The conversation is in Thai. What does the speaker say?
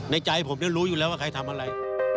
ใจผมรู้อยู่แล้วว่าใครทำอะไร